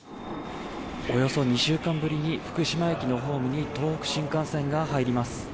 およそ２週間ぶりに福島駅のホームに東北新幹線が入ります。